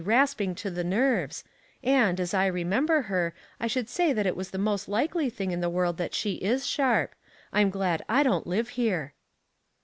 asping to the nerves, and, as I remember her, I should say that it was the most likely thing in the world that she is sharp. I'm glad I don't live here.''